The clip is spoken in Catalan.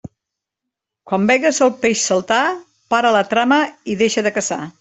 Quan veges el peix saltar, para la trama i deixa de caçar.